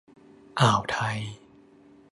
อ่าวไทย